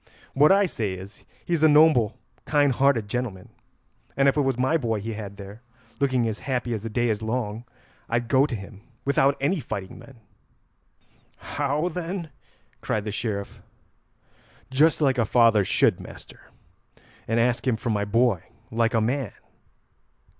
What I say is, he's a noble kind hearted gentleman, and if it was my boy he had there, looking as happy as the day is long, I'd go to him without any fighting men." "How, then?" cried the Sheriff. "Just like a father should, master, and ask him for my boy like a man."